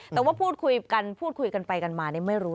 แต่ว่าพูดคุยกันพูดคุยกันไปกันมาไม่รู้